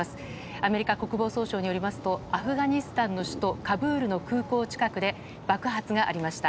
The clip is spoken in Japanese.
アメリカ国防総省によりますとアフガニスタンの首都カブールの空港近くで爆発がありました。